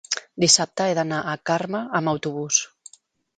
dissabte he d'anar a Carme amb autobús.